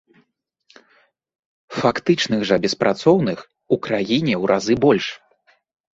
Фактычных жа беспрацоўных у краіне ў разы больш.